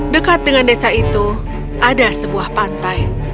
dekat dengan desa itu ada sebuah pantai